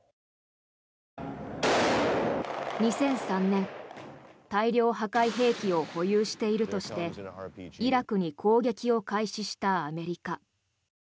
２００３年、大量破壊兵器を保有しているとしてイラクに攻撃を開始したアメリカ。